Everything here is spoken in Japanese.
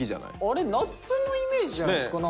あれ夏のイメージじゃないですか？